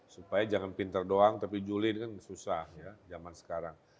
supaya jangan pintar doang tapi juli ini kan susah ya zaman sekarang